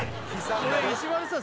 これ石丸さん